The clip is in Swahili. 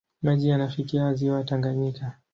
Maji yanafikia ziwa Tanganyika.